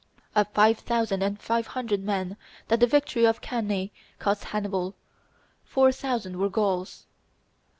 Of five thousand five hundred men that the victory of Cannae cost Hannibal, four thousand were Gauls.